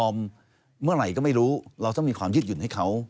เมื่อไหร่ก็ไม่รู้เราต้องมีความยืดหยุ่นให้เขา